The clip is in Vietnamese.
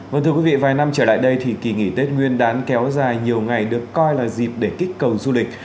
vâng thưa quý vị vài năm trở lại đây thì kỳ nghỉ tết nguyên đán kéo dài nhiều ngày được coi là dịp để kích cầu du lịch